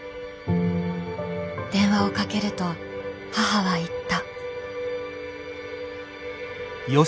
電話をかけると母は言った。